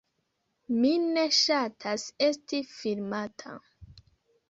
Mi ne ŝatas esti filmata